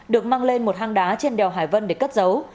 được mang lên một hang đá trên đèo hải vân để cất giấu